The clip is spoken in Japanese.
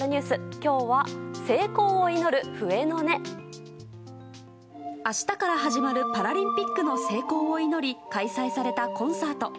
今日は、成功を祈る笛の音。明日から始まるパラリンピックの成功を祈り開催されたコンサート。